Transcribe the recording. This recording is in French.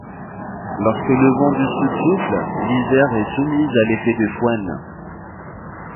Lorsque le vent du sud souffle, l'Isère est soumise à l'effet de fœhn.